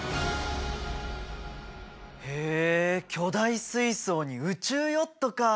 へえ巨大水槽に宇宙ヨットか。